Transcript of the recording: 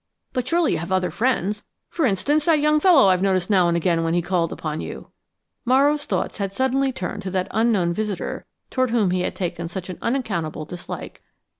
"But surely you have other friends for instance, that young fellow I've noticed now and again when he called upon you." Morrow's thoughts had suddenly turned to that unknown visitor toward whom he had taken such an unaccountable dislike.